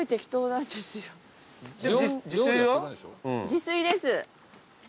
自炊です。